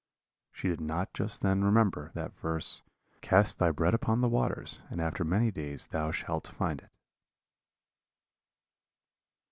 She did not just then remember that verse, 'Cast thy bread upon the waters, and after many days thou shalt find it.'"